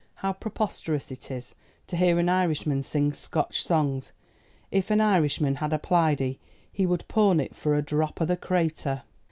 How preposterous it is to hear an Irishman sing Scotch songs. If an Irishman had a plaidie, he would pawn it for a dhrop o' the cratur."